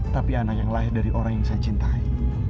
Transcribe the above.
tapi anak yang lahir dari orang yang saya cintai